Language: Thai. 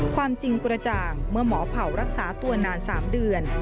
ความจริงกระจ่างเมื่อหมอเผ่ารักษาตัวนาน๓เดือน